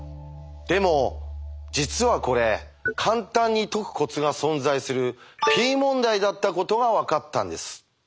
でも実はこれ簡単に解くコツが存在するＰ問題だったことが分かったんです。